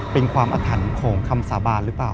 เป็นความอาถรรพ์ของคำสาบานหรือเปล่า